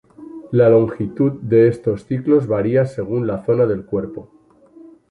La longitud de estos ciclos varía según la zona del cuerpo.